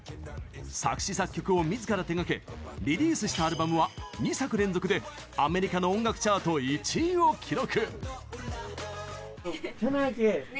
作詞・作曲を自ら手がけリリースしたアルバムは２作連続でアメリカの音楽チャート１位を記録。